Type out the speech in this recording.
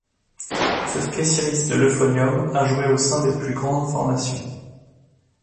Ce spécialiste de l'euphonium a joué au sein des plus grandes formations.